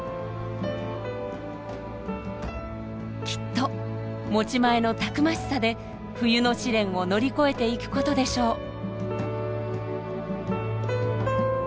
きっと持ち前のたくましさで冬の試練を乗り越えていくことでしょう。